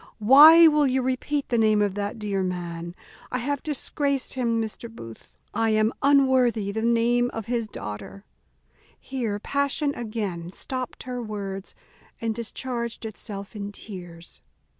why will you repeat the name of that dear man? I have disgraced him, Mr. Booth, I am unworthy the name of his daughter." Here passion again stopped her words, and discharged itself in tears.